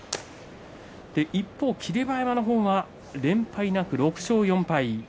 一方の霧馬山の方は連敗なく６勝４敗。